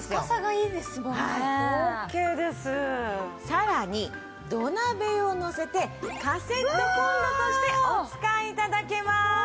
さらに土鍋をのせてカセットコンロとしてお使い頂けます。